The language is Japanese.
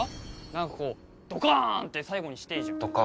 何かこうドカンって最後にしてぇじゃん。